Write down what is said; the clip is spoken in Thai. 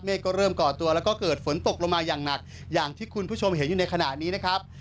ก็เริ่มก่อตัวแล้วก็เกิดฝนตกลงมาอย่างหนักอย่างที่คุณผู้ชมเห็นอยู่ในขณะนี้นะครับ